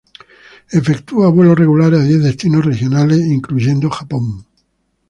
Efectúa vuelos regulares a diez destinos regionales, incluyendo Japón.